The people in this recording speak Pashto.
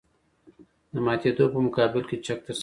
د ماتېدو په مقابل کې چک ترسره کوو